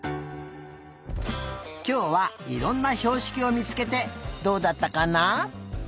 きょうはいろんなひょうしきをみつけてどうだったかな？